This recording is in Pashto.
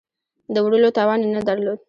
د وړلو توان یې نه درلود.